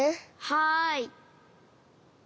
はい。